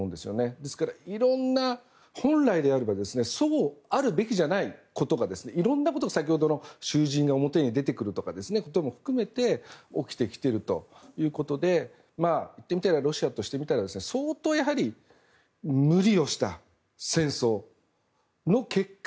ですから、いろんな本来であればそうあるべきじゃないことがいろんなことを先ほどの囚人が表に出てくることも含めて起きてきているということでロシアとしてみたら相当、無理をした戦争の結果